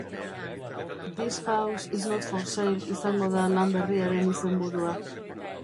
This house is not for sale izango da lan berriaren izenburua.